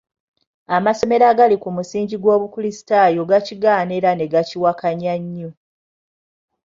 Amasomero agali ku musingi gw'obukulisitaayo gakigaana era ne gakiwakanya nnyo.